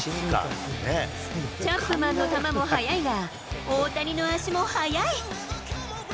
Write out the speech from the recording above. チャップマンの球も速いが、大谷の足も速い。